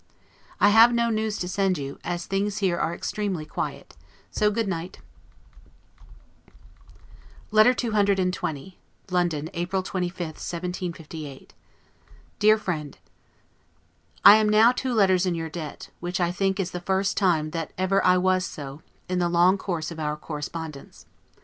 I have no news to send you, as things here are extremely quiet; so, good night. LETTER CCXX LONDON, April 25, 1758. DEAR FRIEND: I am now two letters in your debt, which I think is the first time that ever I was so, in the long course of our correspondence.